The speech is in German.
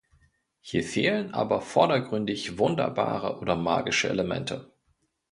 Hier fehlen aber vordergründig wunderbare oder magische Elemente.